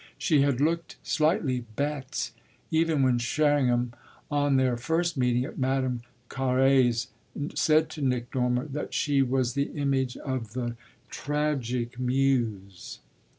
She had looked slightly bête even when Sherringham, on their first meeting at Madame Carré's, said to Nick Dormer that she was the image of the Tragic Muse.